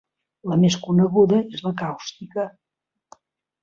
La més coneguda és la càustica.